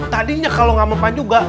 tadinya kalau gak meman juga